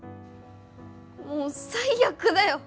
もう最悪だよ！